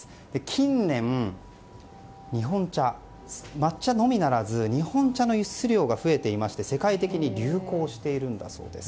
近年、日本茶、抹茶のみならず日本茶の輸出量が増えておりまして世界的に流行しているそうです。